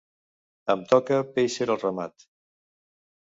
Em toca péixer el ramat.